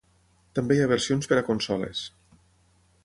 També hi ha versions per a consoles.